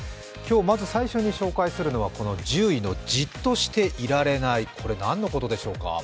今日、まず最初に紹介するのは１０位のじっとしていられない、これ何のことでしょうか？